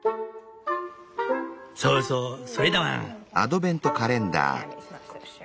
そうそうそれだワン」。